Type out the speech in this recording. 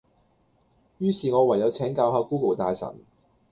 於是我唯有請教下 Google 大神